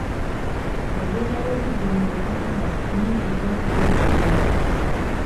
Embeera y'obudde mu Uganda nnyingi nnyo ku by'obulimi.